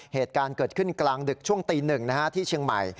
เหตุการณ์เกิดขึ้นกลางดึกช่วงตี๑ที่เชียงใหม่